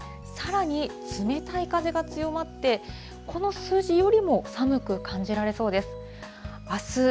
さらに冷たい風が強まって、この数字よりも寒く感じられそうです。